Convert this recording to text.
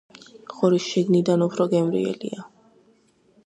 ღორი შიგნიდან უფრო გემრიელია